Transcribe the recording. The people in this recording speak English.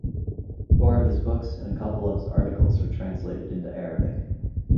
Four of his books and a couple of his articles were translated into Arabic.